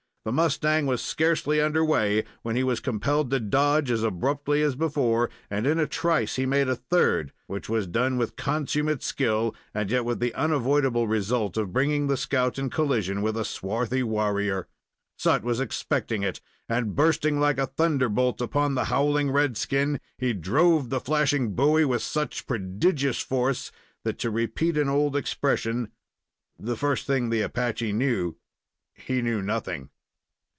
The mustang was scarcely under way, when he was compelled to dodge as abruptly as before, and in a trice he made a third, which was done with consummate skill, and yet with the unavoidable result of bringing the scout in collision with a swarthy warrior. Sut was expecting it, and, bursting like a thunderbolt upon the howling red skin, he drove the flashing bowie with such prodigious force that, to repeat an old expression, the first thing the Apache knew, he knew nothing.